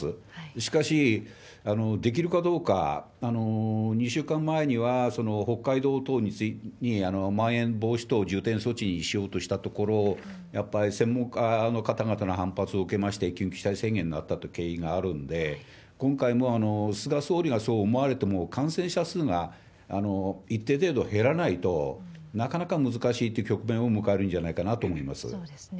しかし、できるかどうか、２週間前には、北海道等にまん延防止等重点措置しようとしたところを、やっぱり専門家の方々の反発を受けまして、緊急事態宣言になったという経緯があるんで、今回も菅総理がそう思われても、感染者数が一定程度減らないと、なかなか難しいという局面を迎えるんじゃなそうですね。